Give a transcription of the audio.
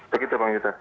begitu bang yuda